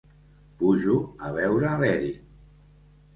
Pujo a veure l'Erin.